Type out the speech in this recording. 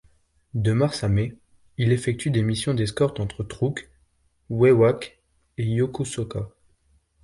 De mars à mai, il effectue des missions d'escorte entre Truk, Wewak et Yokosuka.